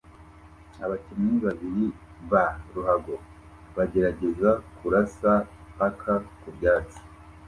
Abakinnyi babiri ba ruhago baragerageza kurasa paka ku byatsi